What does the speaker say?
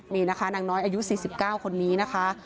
นี่นะคะนางน้อยอายุ๔๙คนนี้นะคะ